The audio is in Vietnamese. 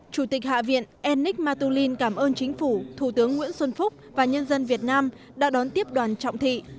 chủ tịch hạ viện enik matulin cảm ơn chính phủ thủ tướng nguyễn xuân phúc và nhân dân việt nam đã đón tiếp đoàn trọng thị